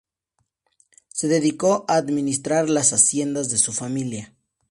Se dedicó a administrar las haciendas de su familia.